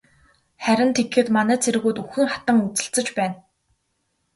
Харин тэгэхэд манай цэргүүд үхэн хатан үзэлцэж байна.